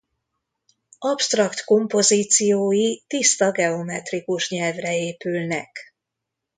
Absztrakt kompozíciói tiszta geometrikus nyelvre épülnek.